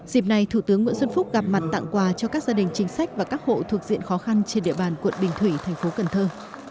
dịp này thủ tướng nguyễn xuân phúc gặp mặt tặng quà cho các gia đình chính sách và các hộ thuộc diện khó khăn trên địa bàn quận bình thủy thành phố cần thơ